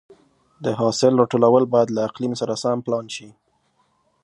د حاصل راټولول باید له اقلیم سره سم پلان شي.